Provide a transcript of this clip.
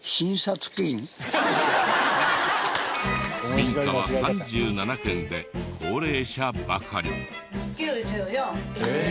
民家は３７軒で高齢者ばかり。